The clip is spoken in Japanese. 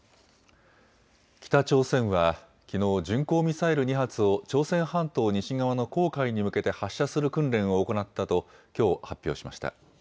北朝鮮はきのう巡航ミサイル２発を朝鮮半島西側の黄海に向けて発射する訓練を行ったときょう発表しました。